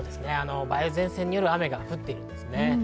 梅雨前線による雨が降ってるんですね。